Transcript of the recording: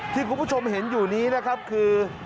ที่คุณผู้ชมเห็นอยู่นี้นะครับคือ